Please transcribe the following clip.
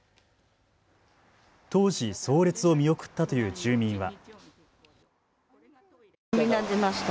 当時葬列を見送ったという住民は。